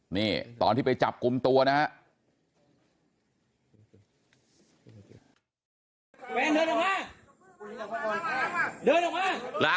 นี่ตอนที่ไปจับกลุ่มตัวนะฮะ